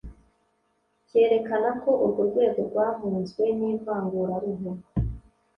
cyerekana ko urwo rwego rwamunzwe n'ivanguraruhu